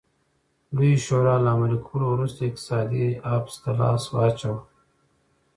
لویې شورا له عملي کولو وروسته اقتصادي حبس ته لاس واچاوه.